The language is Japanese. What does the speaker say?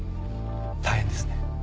大変ですね。